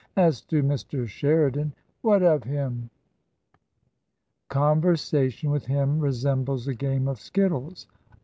As to Mr. Sheridan "" What of him ?"" Conversation with him resembles a game of skittles.